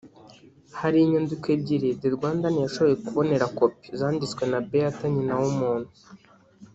Hari inyandiko ebyiri The Rwandan yashoboye kubonera kopi zanditswe na Béatha Nyinawumuntu